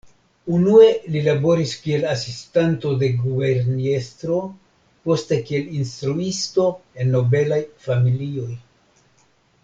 Unue li laboris kiel asistanto de guberniestro, poste kiel instruisto en nobelaj familioj.